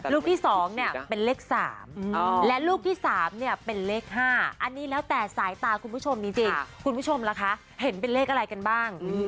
ลูกที่๒เนี่ยเป็นเลข๓และลูกที่๓เนี่ยเป็นเลข๕อันนี้แล้วแต่สายตาคุณผู้ชมจริงคุณผู้ชมล่ะคะเห็นเป็นเลขอะไรกันบ้าง